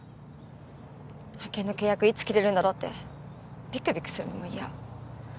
派遣の契約いつ切れるんだろうってびくびくするのも嫌。